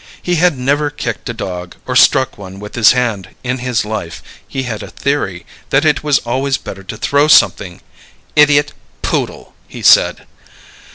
He had never kicked a dog, or struck one with his hand, in his life; he had a theory that it was always better to throw something. "Idiot poodle!" he said.